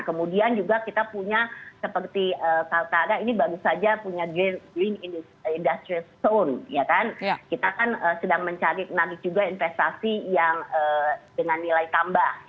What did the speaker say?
kemudian juga kita punya seperti kalkara ini baru saja punya green industrial zone kita kan sedang mencari menarik juga investasi yang dengan nilai tambah